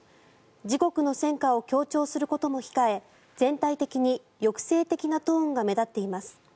自国の戦果を強調することも控え全体的に抑制的なトーンが目立っています。